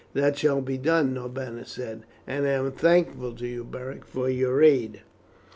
"That shall be done," Norbanus said, "and I am thankful to you, Beric, for your aid."